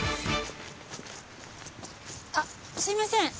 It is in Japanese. あっすいません！